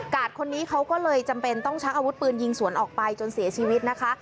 คนนี้เขาก็เลยจำเป็นต้องชักอาวุธปืนยิงสวนออกไปจนเสียชีวิตนะคะ